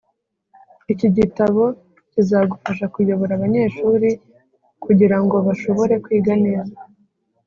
Iki gitabo kizagufasha kuyobora abanyeshuri kugira ngo bashobore kwiga neza